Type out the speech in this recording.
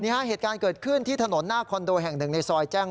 เหตุการณ์เกิดขึ้นที่ถนนหน้าคอนโดแห่งหนึ่งในซอยแจ้ง